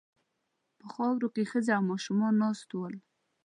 په خاورو کې ښځې او ماشومان ناست ول.